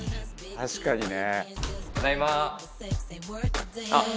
「確かにね」